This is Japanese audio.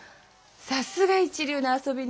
さすが一流の遊び人！